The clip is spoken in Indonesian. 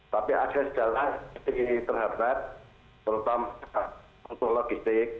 tapi ada sejalan yang terhadap terutama untuk logistik